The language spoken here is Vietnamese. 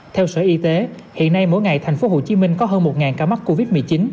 theo sở y tế hiện nay mỗi ngày tp hcm có hơn một ca mắc covid một mươi chín